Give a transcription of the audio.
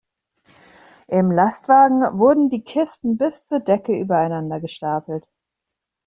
Im Lastwagen wurden die Kisten bis zur Decke übereinander gestapelt.